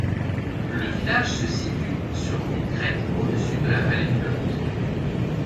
Le village se situe sur une crête au-dessus de la vallée du Lot.